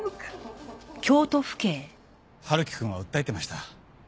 春樹くんは訴えてました。